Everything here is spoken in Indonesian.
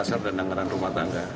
anggaran dasar dan anggaran rumah tangga